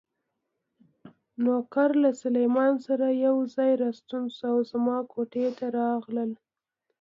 نوکر له سلمان سره یو ځای راستون شو او زما کوټې ته راغلل.